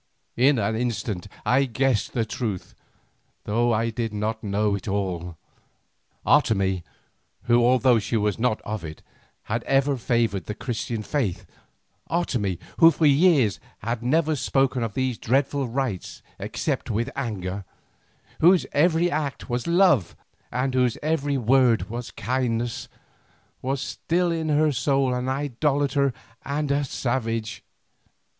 In an instant I guessed the truth, though I did not know it all. Otomie, who although she was not of it, had ever favoured the Christian faith, Otomie, who for years had never spoken of these dreadful rites except with anger, whose every act was love and whose every word was kindness, was still in her soul an idolater and a savage.